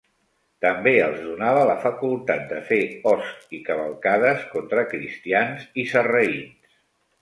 També els donava la facultat de fer hosts i cavalcades contra cristians i sarraïns.